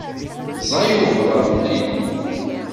Ẓẓay ublaḍ-nni.